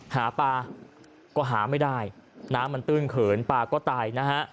หาปลาก็หาไม่ได้น้ำมันตื้นเขินปลาก็ตายนะฮะ